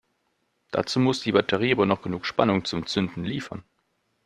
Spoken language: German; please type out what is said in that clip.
Dazu muss die Batterie aber noch genug Spannung zum Zünden liefern.